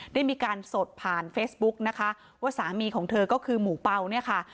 ได้มีการสดผ่านเฟซบุ๊กนะคะว่าสามีของเธอก็คือหมูเป่าเนี่ยค่ะ